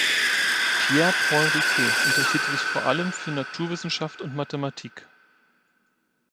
Pierre-Paul Riquet interessierte sich vor allem für Naturwissenschaft und Mathematik.